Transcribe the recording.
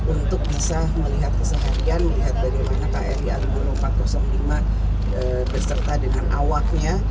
untuk bisa melihat keseharian melihat bagaimana kri algolo empat ratus lima beserta dengan awaknya